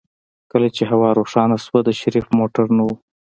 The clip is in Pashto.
کله چې هوا روښانه شوه د شريف موټر نه و.